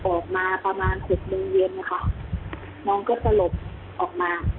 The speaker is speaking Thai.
ออกมาประมาณ๖เดือนเย็นน้องก็สลบออกมา